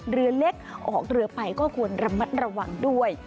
เรือเล็กออกเรือไปก็ควรระมัดระวังด้วย